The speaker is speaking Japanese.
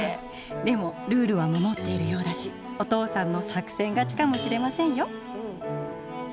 でもルールは守っているようだしお父さんの作戦勝ちかもしれませんよ。